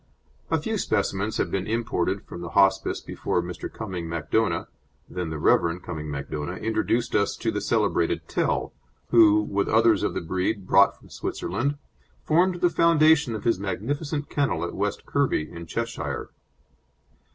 A few specimens had been imported from the Hospice before Mr. Cumming Macdona (then the Rev. Cumming Macdona) introduced us to the celebrated Tell, who, with others of the breed brought from Switzerland, formed the foundation of his magnificent kennel at West Kirby, in Cheshire.